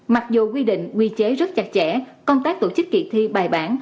mặc dù quy định quy chế rất chặt chẽ công tác tổ chức kỳ thi bài bản